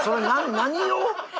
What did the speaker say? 何用？